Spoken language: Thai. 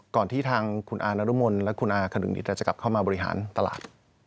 ที่ทางคุณอานรุมลและคุณอาขนึงนิดจะกลับเข้ามาบริหารตลาด